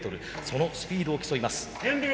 そのスピードを競います。